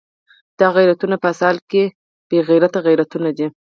دا غیرتونه په اصل کې بې غیرته غیرتونه دي.